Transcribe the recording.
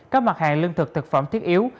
các mặt hàng lương thực thực phẩm thiết yếu